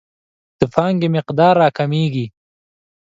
د پانګې مقدار راکمیږي.